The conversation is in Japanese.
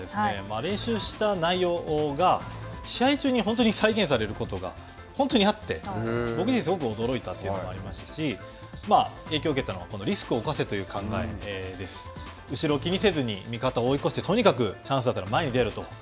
練習した内容が試合中に本当に再現されることが本当にあって、僕にはすごく驚いたというのがありますし影響を受けたのはリスクを冒せという後ろを気にせずに味方を追い越して、前に出ろと。